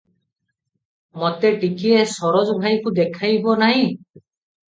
ମତେ ଟିକିଏ ସରୋଜ ଭାଇକୁ ଦେଖାଇବ ନାହିଁ?"